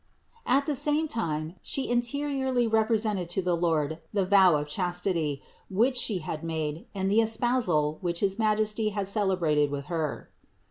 At the same time She interiorly represented to the Lord the vow of chastity, which She had made and the espousal, which his Majesty had celebrated with Her.